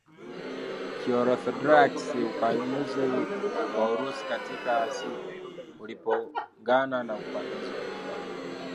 Kiorthodoksi upanuzi wa Urusi katika Asia uligongana na upanuzi wa Japan